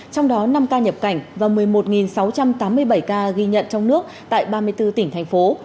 trong đó năm ca nhập cảnh và một mươi một sáu trăm tám mươi bảy ca ghi nhận trong nước tại ba mươi bốn tỉnh thành phố